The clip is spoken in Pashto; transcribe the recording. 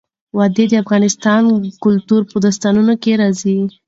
وادي د افغان کلتور په داستانونو کې راځي.